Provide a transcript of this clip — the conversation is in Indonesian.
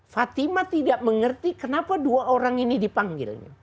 fatimah tidak mengerti kenapa dua orang ini dipanggil